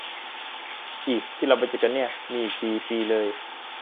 อิ ที่เราไปเจอกันเนี่ย มีอีกที ปีเลย